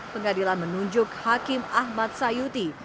pengadilan menunjuk hakim ahmad sayuti